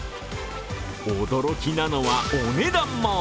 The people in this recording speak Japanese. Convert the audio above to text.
驚きなのはお値段も。